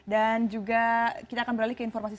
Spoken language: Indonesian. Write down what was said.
dan juga kita akan beralih ke informasi selanjutnya